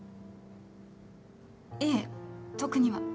いえ特には。